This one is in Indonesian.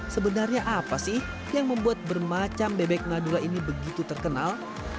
sebenarnya apa sih yang membuat bermacam bebek nadula ini begitu terkenal